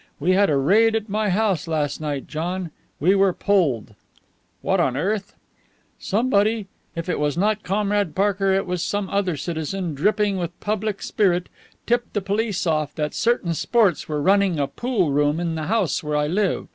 We had a raid at my house last night, John. We were pulled." "What on earth ?" "Somebody if it was not Comrade Parker it was some other citizen dripping with public spirit tipped the police off that certain sports were running a pool room in the house where I live."